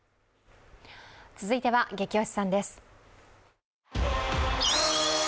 続いては「ゲキ推しさん」です。